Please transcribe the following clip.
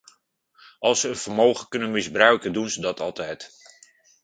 Als ze een vermogen kunnen misbruiken, doen ze dat altijd.